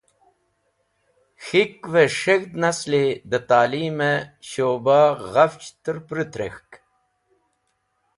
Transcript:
K̃hikve S̃heg̃hd Nasli de Ta’lim e Shuba ghafch terpurut rek̃hk.